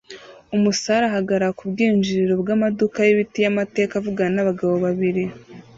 Umusare ahagarara ku bwinjiriro bw'amaduka y'ibiti y'amateka avugana n'abagabo babiri